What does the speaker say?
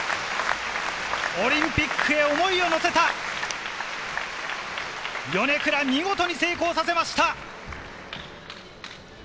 オリンピックへ思いを乗せた、米倉、見事に成功させました。